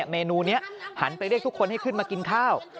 เมนูนี้หันไปเรียกทุกคนให้ขึ้นมากินข้าว